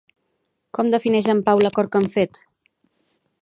Com defineix en Pau l'acord que han fet?